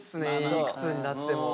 いくつになっても。